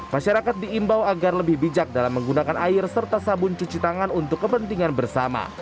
masyarakat diimbau agar lebih bijak dalam menggunakan air serta sabun cuci tangan untuk kepentingan bersama